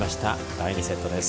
第２セットです。